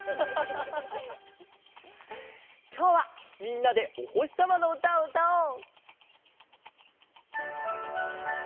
きょうはみんなでおほしさまのうたをうたおう！